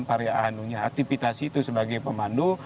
pariahanunya aktivitas itu sebagai pemandu